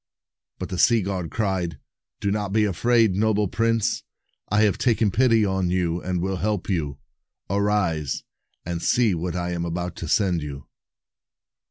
But the sea god cried, "Do not be afraid, noble prince; I have taken pity on you and will help you. Arise, and see what I am about to send you."